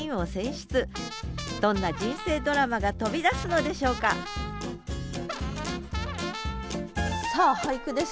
どんな人生ドラマが飛び出すのでしょうかさあ俳句です。